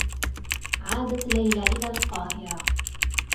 عادت ليلى إلى القاهرة.